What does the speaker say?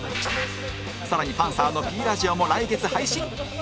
更にパンサーの Ｐ ラジオも来月配信